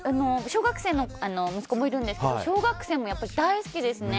小学生の息子がいるんですけど小学生も大好きですね。